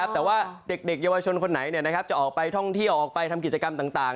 แต่ว่าเด็กเยาวชนคนไหนจะออกไปท่องเที่ยวออกไปทำกิจกรรมต่าง